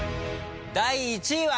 第１位は。